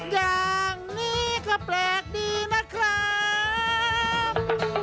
อย่างนี้ก็แปลกดีนะครับ